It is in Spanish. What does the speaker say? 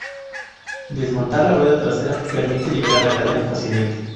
Desmontar la rueda trasera permite liberar la cadena fácilmente.